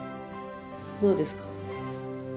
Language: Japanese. どうですか？